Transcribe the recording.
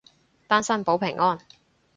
單身保平安